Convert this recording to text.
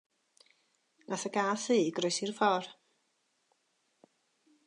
Nath y gath ddu groesi'r ffordd.